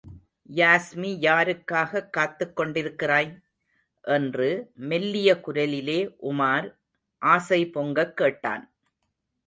யாஸ்மி யாருக்காக காத்துக் கொண்டிருக்கிறாய்? என்று மெல்லிய குரலிலே உமார் ஆசை பொங்கக் கேட்டான்.